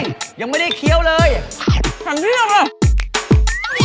เฮ้ยยังไม่ได้เคี้ยวเลยทางนี้อ่ะเดี๋ยวไม่ได้เดี๋ยว